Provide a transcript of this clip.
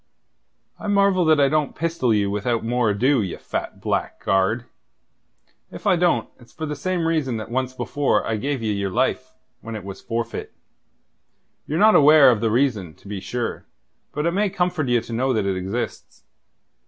"I marvel that I don't pistol you without more ado, ye fat blackguard. If I don't, it's for the same reason that once before I gave ye your life when it was forfeit. Ye're not aware of the reason, to be sure; but it may comfort ye to know that it exists.